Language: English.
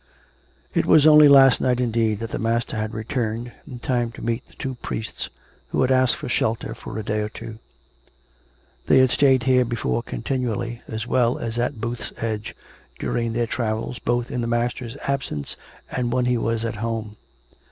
It was only last night, indeed, that the master had re turned, in time to meet the two priests who had asked for shelter for a day or two. They had stayed here before continually, as well as at Booth's Edge, during their travels, both in the master's absence and when he was at home.